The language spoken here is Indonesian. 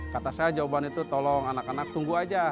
kata saya jawaban itu tolong anak anak tunggu aja